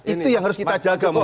itu yang harus kita jaga